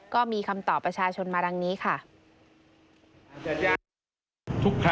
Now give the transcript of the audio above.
ก็มีคำตอบประชาชนมาดังนี้ค่ะ